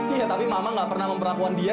iya tapi mama gak pernah memperlakukan dia